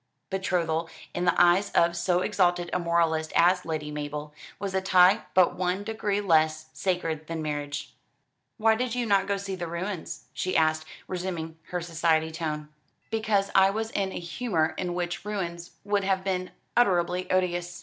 Betrothal, in the eyes of so exalted a moralist as Lady Mabel, was a tie but one degree less sacred than marriage. "Why did you not go to see the ruins?" she asked, resuming her society tone. "Because I was in a humour in which ruins would have been unutterably odious.